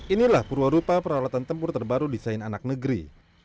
inilah purwa rupa peralatan tempur terbaru desain anak negeri